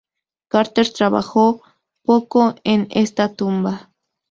Carter trabajó poco en esta tumba.